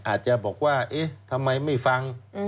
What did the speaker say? อาจจะบอกว่าเอ๊ะทำไมไม่ฟัง